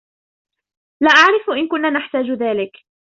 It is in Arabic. لا أعرف إن كنا نحتاج ذلك.